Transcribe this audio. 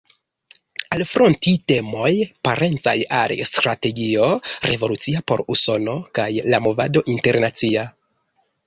Alfronti temoj parencaj al strategio revolucia por Usono kaj la movado internacia.